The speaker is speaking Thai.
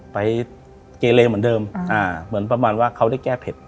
ไปเกเลเหมือนเดิมอ่าเหมือนประมาณว่าเขาได้แก้เผ็ด